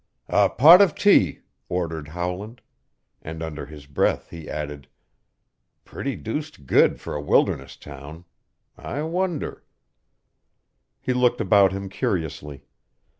"A pot of tea," ordered Howland; and under his breath he added, "Pretty deuced good for a wilderness town! I wonder " He looked about him curiously.